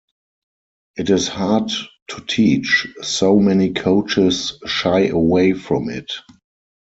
It is hard to teach, so many coaches shy away from it.